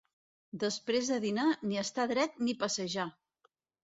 Després de dinar, ni estar dret ni passejar.